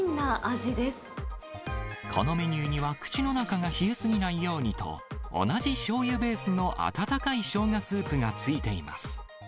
このメニューには、口の中が冷えすぎないようにと、同じしょうゆベースの温かいショウガスープがついています。